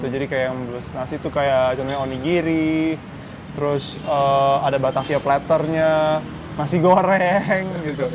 jadi kayak yang belas nasi tuh kayak contohnya onigiri terus ada batakia platternya nasi goreng